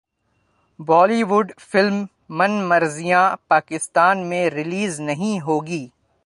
بولی would film Man Marziyan Pakistan میں release نہیں ہوگی